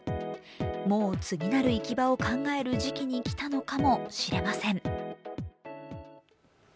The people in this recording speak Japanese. もう次なる行き場を考える時期に来たのかもしれません。